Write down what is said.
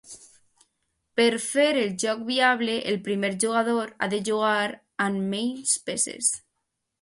Per fer el joc viable, el primer jugador ha de jugar amb menys peces.